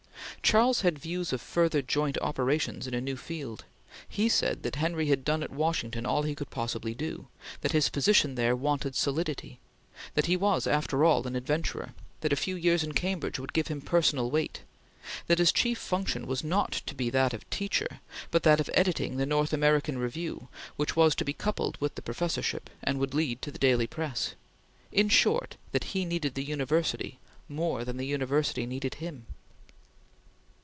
Charles had views of further joint operations in a new field. He said that Henry had done at Washington all he could possibly do; that his position there wanted solidity; that he was, after all, an adventurer; that a few years in Cambridge would give him personal weight; that his chief function was not to be that of teacher, but that of editing the North American Review which was to be coupled with the professorship, and would lead to the daily press. In short, that he needed the university more than the university needed him.